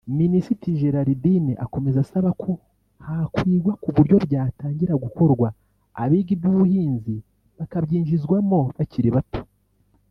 Minisitiri Gerardine akomeza asaba ko hakwigwa ku buryo byatangira gukorwa abiga iby’ubuhinzi bakabyinjizwamo bakiri bato